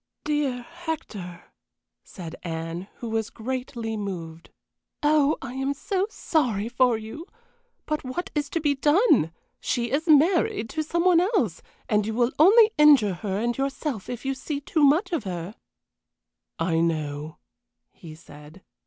"Dear Hector!" said Anne, who was greatly moved. "Oh, I am so sorry for you! But what is to be done? She is married to somebody else, and you will only injure her and yourself if you see too much of her." "I know," he said.